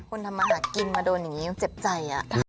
ทำมาหากินมาโดนอย่างนี้เจ็บใจ